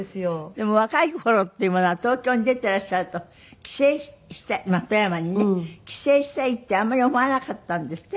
でも若い頃っていうものは東京に出ていらっしゃると帰省富山にね帰省したいってあんまり思わなかったんですって？